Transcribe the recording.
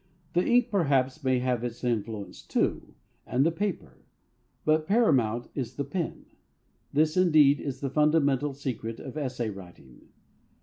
The ink perhaps may have its influence too, and the paper; but paramount is the pen. This, indeed, is the fundamental secret of essay writing.